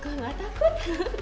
gue gak takut